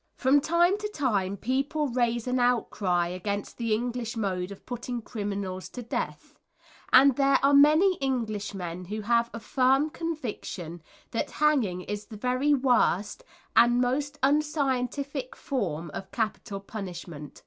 From time to time people raise an outcry against the English mode of putting criminals to death, and there are many Englishmen who have a firm conviction that hanging is the very worst and most unscientific form of capital punishment.